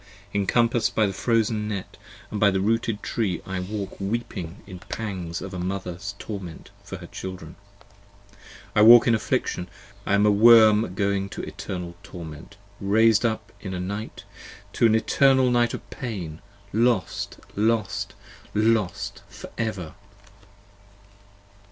p. 80 ENCOMPASS'D by the frozen Net and by the rooted Tree I walk weeping in pangs of a Mother's torment for her Children. I walk in affliction: I am a worm, and no living soul! A worm going to eternal torment: rais'd up in a night 5 To an eternal night of pain, lost! lost! lost! forever!